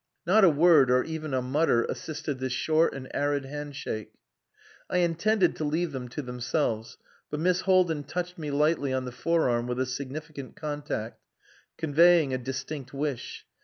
Not a word or even a mutter assisted this short and arid handshake. I intended to leave them to themselves, but Miss Haldin touched me lightly on the forearm with a significant contact, conveying a distinct wish.